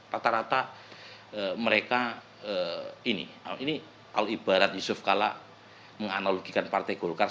rata rata mereka ini ini kalau ibarat yusuf kalla menganalogikan partai golkar